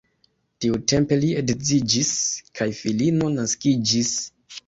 Tiutempe li edziĝis kaj filino naskiĝis.